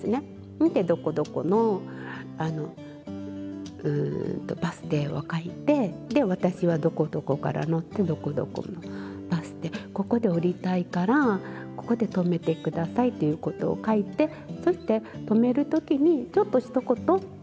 見てどこどこのバス停を書いてで私はどこどこから乗ってどこどこのバス停ここで降りたいからここで止めて下さいっていうことを書いてそして止める時にちょっとひと言